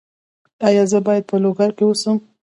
ایا زه باید په لوګر کې اوسم؟